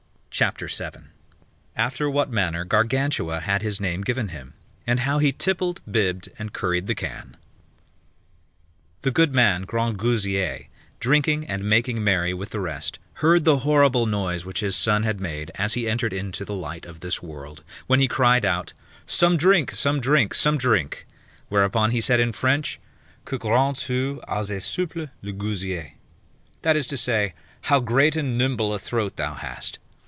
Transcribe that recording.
Chapter 1.VII. After what manner Gargantua had his name given him, and how he tippled, bibbed, and curried the can. [Illustration: One of the Girls Brought Him Wine 1 07 018] The good man Grangousier, drinking and making merry with the rest, heard the horrible noise which his son had made as he entered into the light of this world, when he cried out, Some drink, some drink, some drink; whereupon he said in French, Que grand tu as et souple le gousier! that is to say, How great and nimble a throat thou hast.